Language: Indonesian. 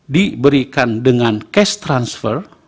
diberikan dengan cash transfer